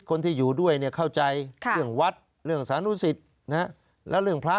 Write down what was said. คนที่อยู่ด้วยเนี่ยเข้าใจเรื่องวัดเรื่องสานุสิตแล้วเรื่องพระ